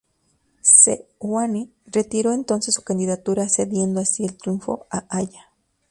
Seoane retiró entonces su candidatura, cediendo así el triunfo a Haya.